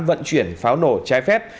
vận chuyển pháo nổ trái phép